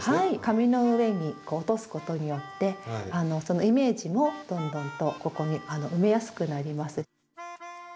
紙の上に落とすことによってイメージもどんどんとここに埋めやすくなります。